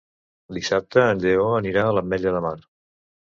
Dissabte en Lleó anirà a l'Ametlla de Mar.